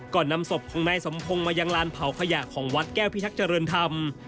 นำศพของนายสมพงศ์มายังลานเผาขยะของวัดแก้วพิทักษ์เจริญธรรม